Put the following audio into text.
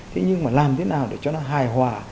thế nhưng mà làm thế nào để cho nó hài hòa